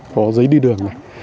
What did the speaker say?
có giấy đi đường này